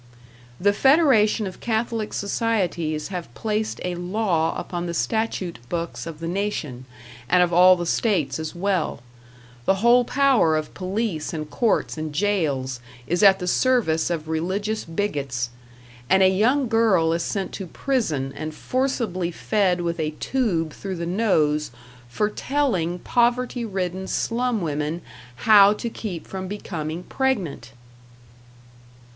The Federation of Catholic Societies have placed a law upon the statute books of the nation, and of all the states as well; the whole power of police and courts and jails is at the service of religious bigots, and a young girl is sent to prison and forcibly fed with a tube through the nose for telling poverty ridden slum women how to keep from becoming pregnant!